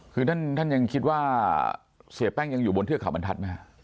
คือท่านแรงคิดว่าเสียแป้งยังอยู่บนเทือกขาวบันทัศน์มั้ย